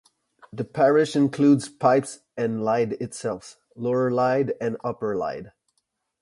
The parish includes Pipe and Lyde itself, Lower Lyde and Upper Lyde.